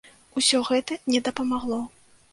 Усё гэта не дапамагло.